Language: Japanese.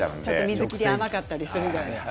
水切りが甘かったりするんじゃないですか？